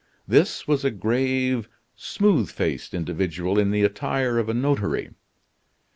This was a grave, smooth faced individual in the attire of a notary.